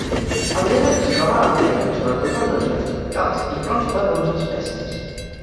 El gènere es troba àmpliament, sobretot en regions tropicals, i consta d'onze espècies.